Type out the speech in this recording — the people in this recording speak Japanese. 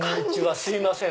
すいません